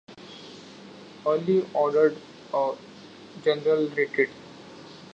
Early ordered a general retreat.